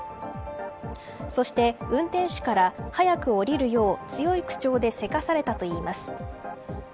そして運転手から早く降りるよう強い口調でせかされたといいます。